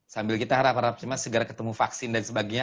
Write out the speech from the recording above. sambil kita harap harap cuma segera ketemu vaksin dan sebagainya